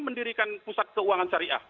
mendirikan pusat keuangan syariah